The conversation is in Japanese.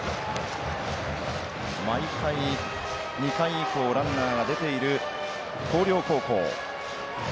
毎回２回以降ランナーが出ている広陵高校。